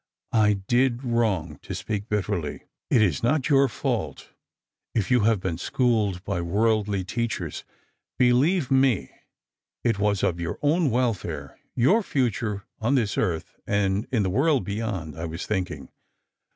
" I did •wrong to speak bitterly. It is not your fault if you have been schooled by worldly teachers. Believe me, it was of your own welfare, your future on this earth and in the world beyond, I was thinking.